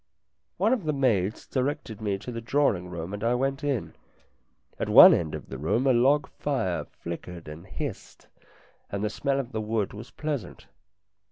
One of the maids directed me to the drawing room, and I went in. At one end of the room a log fire flickered and hissed, and the smell of the wood was pleasant.